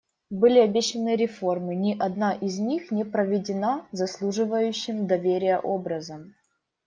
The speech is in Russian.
Были обещаны реформы; ни одна из них не проведена заслуживающим доверия образом.